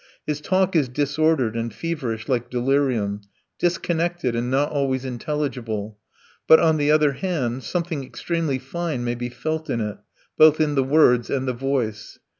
His talk is disordered and feverish like delirium, disconnected, and not always intelligible, but, on the other hand, something extremely fine may be felt in it, both in the words and the voice.